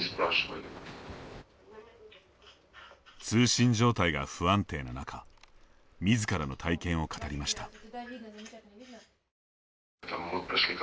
通信状態が不安定な中みずからの体験を語りました。